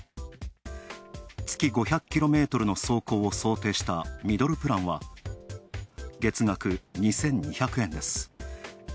月５００キロメートルの走行を想定したミドルプランは、月額２２００円です。